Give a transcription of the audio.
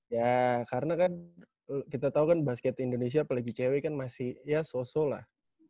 ya karena kan kita tahu kan basket indonesia apalagi cewek kan masih ya soso lah